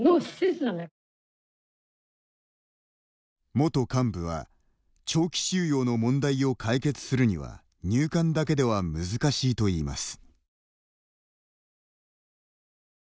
元幹部は長期収容の問題を解決するには入管だけでは難しいといいます。